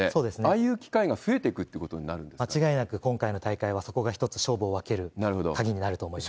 ああいう機会が増えていくってい間違いなく、今回の大会はそこが一つ勝負を分ける鍵になると思います。